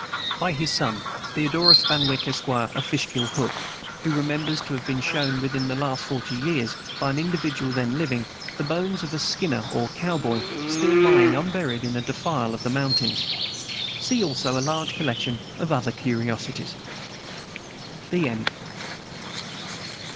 By his son, Theodorus Van Wyck, Esq., of Fishkill Hook, who remembers to have been shown, within the last forty years, by an individual then living, the bones of a "skinner," or cowboy, still lying unburied in a defile of the mountains. See also, a large collection of other curiosities. THE END.